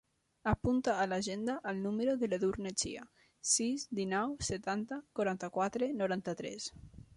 Apunta a l'agenda el número de l'Edurne Chia: sis, dinou, setanta, quaranta-quatre, noranta-tres.